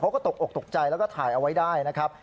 ตกอกตกใจแล้วก็ถ่ายเอาไว้ได้นะครับ